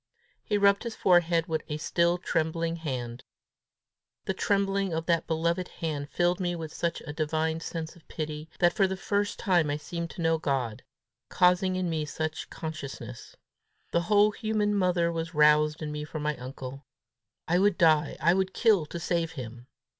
He rubbed his forehead with a still trembling hand. The trembling of that beloved hand filled me with such a divine sense of pity, that for the first time I seemed to know God, causing in me that consciousness! The whole human mother was roused in me for my uncle. I would die, I would kill to save him!